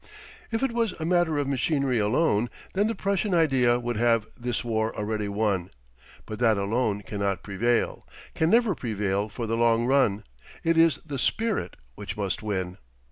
If it was a matter of machinery alone, then the Prussian idea would have this war already won. But that alone cannot prevail, can never prevail for the long run. It is the spirit which must win.